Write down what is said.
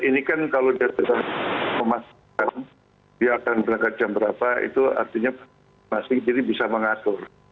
ini kan kalau dia sudah memastikan dia akan berangkat jam berapa itu artinya masih jadi bisa mengatur